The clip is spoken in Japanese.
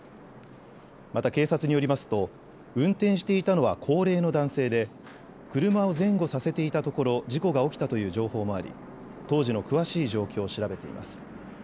また警察によりますと運転していたのは高齢の男性で車を前後させていたところ事故が起きたという情報もあり当時の詳しい状況を調べています。